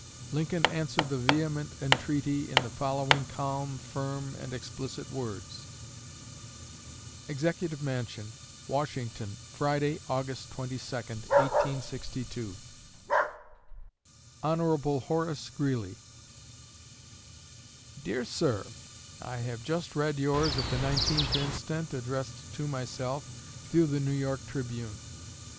Lincoln answered the vehement entreaty in the following calm, firm, and explicit words: EXECUTIVE MANSION, WASHINGTON, Friday, Aug. 22, 1862. HON. HORACE GREELEY. DEAR SIR: I have just read yours of the 19th instant, addressed to myself, through the New York Tribune.